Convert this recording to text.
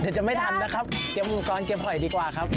เดี๋ยวจะไม่ทันนะครับเก็บอุปกรณ์เก็บหอยดีกว่าครับ